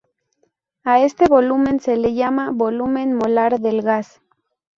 A este volumen se le llama volumen molar del gas.